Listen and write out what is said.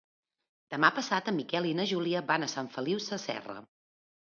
Demà passat en Miquel i na Júlia van a Sant Feliu Sasserra.